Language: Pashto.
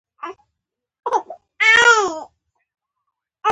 د فعالیتونو مختلف شکلونه وپېژنو.